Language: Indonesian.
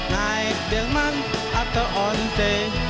naik delman atau onte